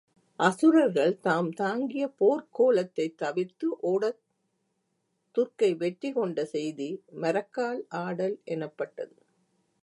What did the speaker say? அசுரர்கள் தாம் தாங்கிய போர்க் கோலத்தைத் தவிர்த்து ஒடத் துர்க்கை வெற்றி கொண்ட செய்தி மரக்கால் ஆடல் எனப்பட்டது.